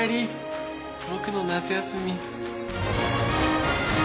僕の夏休み。